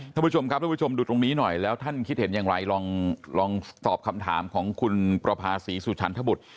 ท่านผู้ชมครับท่านผู้ชมดูตรงนี้หน่อยแล้วท่านคิดเห็นอย่างไรลองตอบคำถามของคุณประภาษีสุชันทบุตร